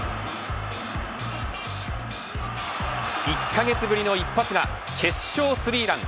１カ月ぶりの一発が決勝スリーラン。